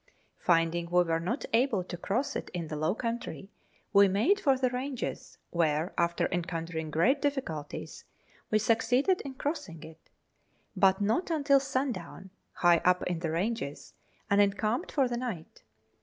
Finding we were not able to cross it in the low country, we made for the ranges, where, after encountering great diificulties, we succeeded in crossing it but not until sun down high up in the ranges, and encamped for the night.